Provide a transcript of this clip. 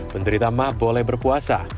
menderita mah boleh berpuasa